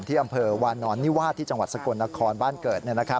ที่อำเภอวานอนนิวาสที่จังหวัดสกลนครบ้านเกิด